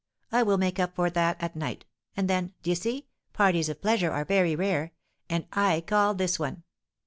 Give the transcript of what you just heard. I will make up for that at night, and then, d'ye see, parties of pleasure are very rare, and I call this one.